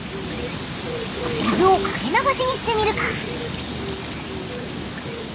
水をかけ流しにしてみるか。